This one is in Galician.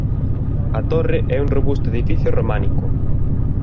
A torre é un robusto edificio románico.